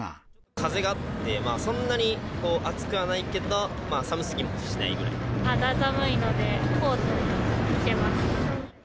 風があって、そんなに暑くはないけど、肌寒いのでコート着てます。